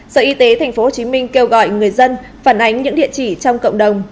sở y tế tp hcm kêu gọi người dân phản ánh những địa chỉ trong cộng đồng